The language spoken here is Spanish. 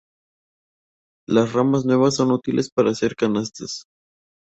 Las ramas nuevas son útiles para hacer canastas.